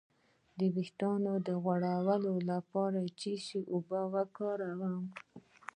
د ویښتو د غوړ لپاره د څه شي اوبه وکاروم؟